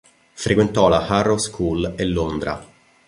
Frequentò la Harrow School e Londra.